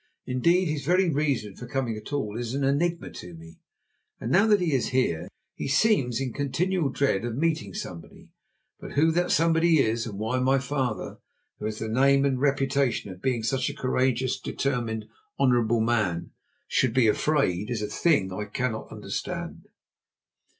Indeed, his very reason for coming at all is an enigma to me. And now that he is here, he seems in continual dread of meeting somebody but who that somebody is, and why my father, who has the name and reputation of being such a courageous, determined, honourable man, should be afraid, is a thing I cannot understand."